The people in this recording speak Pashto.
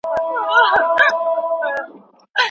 خلګ په کتابتونونو کي خپل د خوښې کتابونه پيدا کوي.